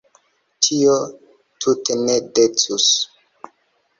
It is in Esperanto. Tio tute ne decus.